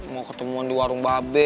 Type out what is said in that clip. mau ketemu di warung babe